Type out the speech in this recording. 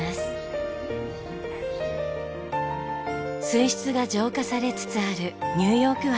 水質が浄化されつつあるニューヨーク湾。